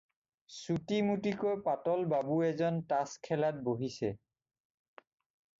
চুটি-মুটিকৈ পাতল বাবু এজন তাচ খেলাত বহিছে ।